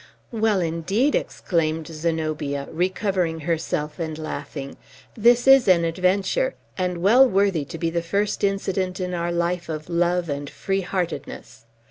"Well, indeed," exclaimed Zenobia, recovering herself and laughing, "this is an adventure, and well worthy to be the first incident in our life of love and free heartedness!